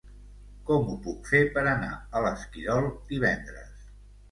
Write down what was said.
Com ho puc fer per anar a l'Esquirol divendres?